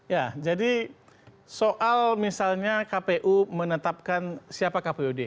ya jadi soal misalnya kpu menetapkan siapa kpud